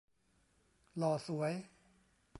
หล่อสวย